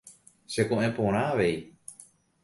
Cheko'ẽ porã avei.